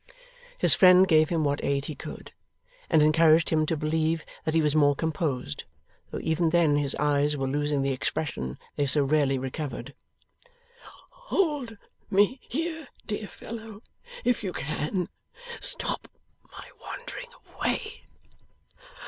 His friend gave him what aid he could, and encouraged him to believe that he was more composed, though even then his eyes were losing the expression they so rarely recovered. 'Hold me here, dear fellow, if you can. Stop my wandering away.